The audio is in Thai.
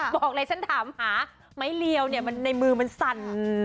บอกเลยฉันถามหาไม้เรียวเนี่ยในมือมันสั่น